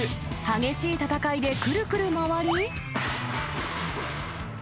激しい戦いでくるくる回り。